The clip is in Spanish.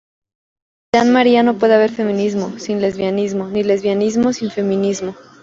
Para Yan María ""no puede haber feminismo sin lesbianismo ni lesbianismo sin feminismo.